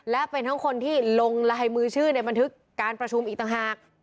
และเป็นทั้งคนที่ลงลายมือชื่อในบันทึกการประชุมอีกต่างหาก